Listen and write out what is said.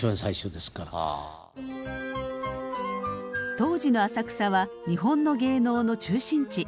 当時の浅草は日本の芸能の中心地。